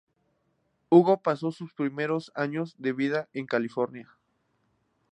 Hugo pasó sus primeros años de vida en California.